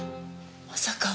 まさか。